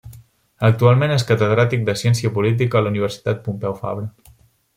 Actualment és catedràtic de ciència política a la Universitat Pompeu Fabra.